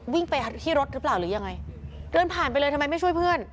วิ่งไปที่รถหรือเปล่าหรือยังไงเดินผ่านไปเลยทำไมไม่ช่วยเพื่อน